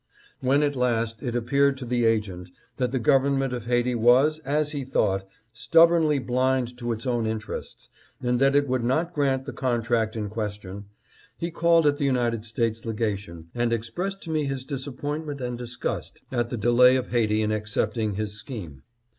749 " When at last it appeared to the agent that the gov ernment of Haiti was, as he thought, stubbornly blind to its own interests, and that it would not grant the contract in question, he called at the United States Legation and expressed to me his disappointment and disgust at the delay of Haiti in accepting his scheme.